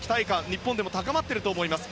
日本でも高まっていると思います。